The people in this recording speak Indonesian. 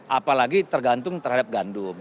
apalagi tergantung terhadap gandum